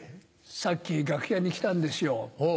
さっき楽屋に来たんですよ。